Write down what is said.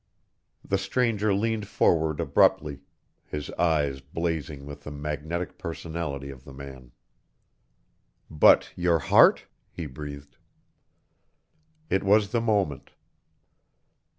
The stranger leaned forward abruptly, his eyes blazing with the magnetic personality of the man. "But your heart?" he breathed. It was the moment.